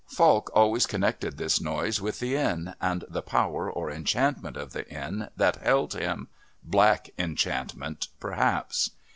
Falk always connected this noise with the inn and the power or enchantment of the inn that held him "Black Enchantment," perhaps.